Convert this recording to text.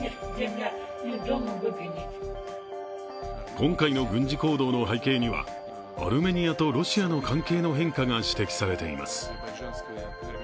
今回の軍事行動の背景にはアルメニアとロシアの関係の変化が指摘されています。